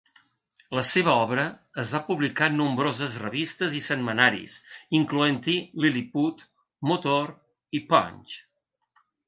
La seva obra es va publicar en nombroses revistes i setmanaris, incloent-hi "Liliput", "Motor" i "Punch".